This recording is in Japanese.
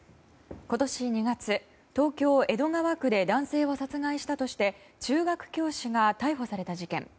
今年２月、東京・江戸川区で男性を殺害したとして中学教師が逮捕された事件。